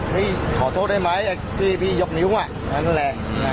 พี่ขอโทษได้ไหมอ่ะที่พี่ยบนิ้วอ่ะนั่นแหละอือ